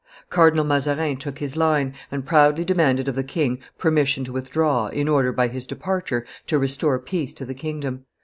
Cardinal Mazarin took his line, and loudly demanded of the king permission to withdraw, in order, by his departure, to restore peace to the kingdom.